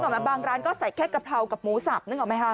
นึกออกมั้ยบางร้านก็ใส่แค่กะเพรากับหมูสับนึกออกมั้ยคะ